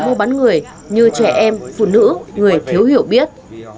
mua bán người như trẻ em phụ nữ người thiếu hiểu biết